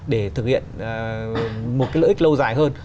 để thực hiện một cái lợi ích lâu dài hơn